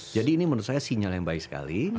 jadi ini menurut saya sinyal yang baik sekali